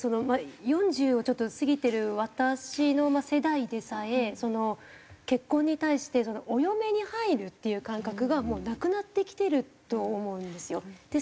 まあ４０をちょっと過ぎてる私の世代でさえ結婚に対してお嫁に入るっていう感覚がもうなくなってきてると思うんですよ。